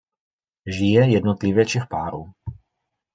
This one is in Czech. Žije jednotlivě či v páru.